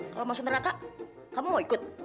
kalau masuk neraka kamu mau ikut